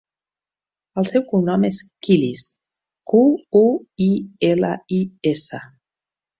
El seu cognom és Quilis: cu, u, i, ela, i, essa.